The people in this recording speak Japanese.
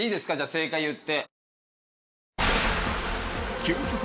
正解言って。